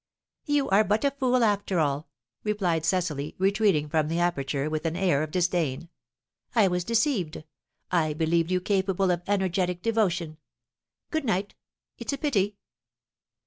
"You are but a fool, after all!" replied Cecily, retreating from the aperture with an air of disdain. "I was deceived, I believed you capable of energetic devotion. Goodnight! It's a pity!"